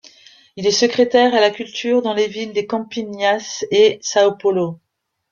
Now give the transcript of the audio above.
Il est secrétaire à la Culture dans les villes de Campinas et São Paulo.